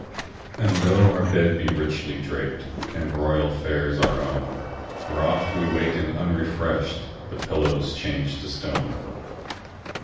And tho our bed be richly drapedAnd royal fares our own, For oft we waken unrefreshed—The pillow's changed to stone!